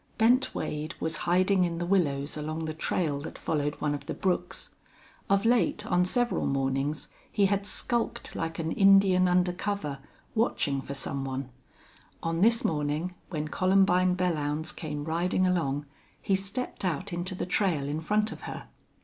Bent Wade was hiding in the willows along the trail that followed one of the brooks. Of late, on several mornings, he had skulked like an Indian under cover, watching for some one. On this morning, when Columbine Belllounds came riding along, he stepped out into the trail in front of her.